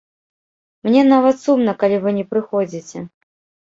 Мне нават сумна, калі вы не прыходзіце.